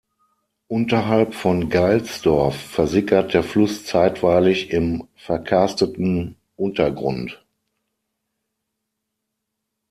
Unterhalb von Geilsdorf versickert der Fluss zeitweilig im verkarsteten Untergrund.